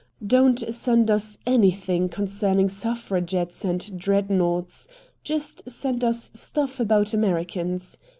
Don't send us anything concerning suffragettes and Dreadnaughts. Just send us stuff about Americans.